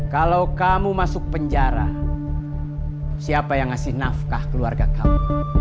kalau kamu masuk penjara siapa yang ngasih nafkah keluarga kamu